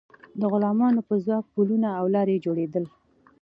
د غلامانو په ځواک پلونه او لارې جوړیدل.